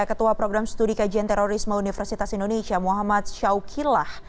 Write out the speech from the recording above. ketua program studi kajian terorisme universitas indonesia muhammad syaukilah